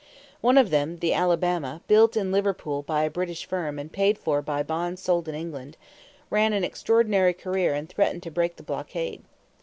One of them, the Alabama, built in Liverpool by a British firm and paid for by bonds sold in England, ran an extraordinary career and threatened to break the blockade.